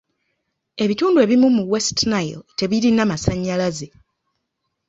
Ebitundu ebimu mu West Nile tebirina masannyalaze.